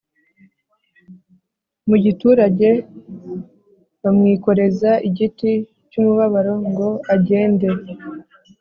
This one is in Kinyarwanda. mu giturage bamwikoreza igiti cy umubabaro ngo agende